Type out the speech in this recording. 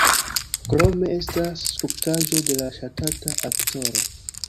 Krome estas skulptaĵo de la ŝatata aktoro.